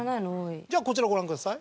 じゃあこちらをご覧ください。